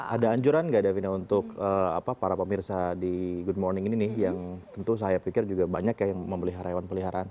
ada anjuran nggak davina untuk para pemirsa di good morning ini nih yang tentu saya pikir juga banyak yang memelihara hewan peliharaan